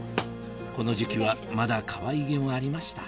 この時期はまだかわいげもありました